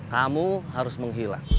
kamu harus menghilang